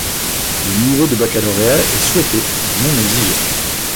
Le niveau du baccalauréat est souhaité, mais non exigé.